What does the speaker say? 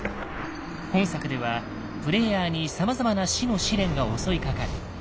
本作ではプレイヤーにさまざまな死の試練が襲いかかる。